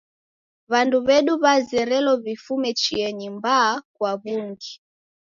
W'andu w'edu w'azerelo w'ifume chienyi mbaa kwa w'ungi.